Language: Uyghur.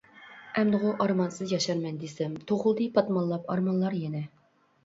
ئەمدىغۇ ئارمانسىز ياشارمەن دېسەم، تۇغۇلدى پاتمانلاپ ئارمانلار يەنە!